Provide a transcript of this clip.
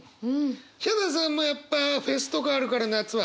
ヒャダさんもやっぱフェスとかあるから夏は。